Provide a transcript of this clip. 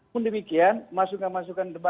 pun demikian masukan masukan